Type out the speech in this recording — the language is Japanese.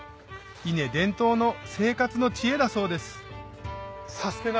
伊根伝統の生活の知恵だそうです